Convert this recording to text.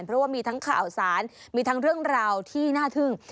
เพราะว่ามีทั้งข่าวสารมีทั้งเรื่องราวที่น่าทึ่ง